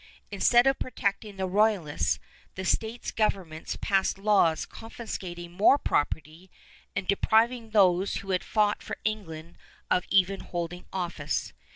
Instead of protecting the Royalists, the States Governments passed laws confiscating more property and depriving those who had fought for England of even holding office.